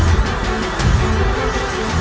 aku akan mencari dia